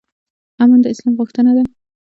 امن د اسلام غوښتنه ده